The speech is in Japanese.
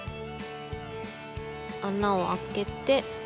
穴をあけて。